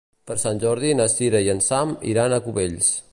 Per Sant Jordi na Cira i en Sam iran a Cubells.